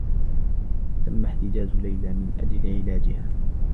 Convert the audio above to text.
تمّ احتجاز ليلى من أجل علاجها.